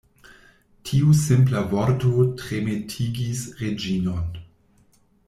Tiu simpla vorto tremetigis Reĝinon.